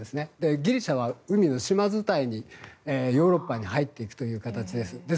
ギリシャは海の島伝いにヨーロッパに入っていくという形です。